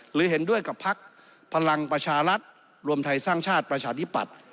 เห็นด้วยกับพักพลังประชารัฐรวมไทยสร้างชาติประชาธิปัตย์